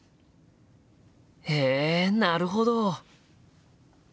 へえなるほど！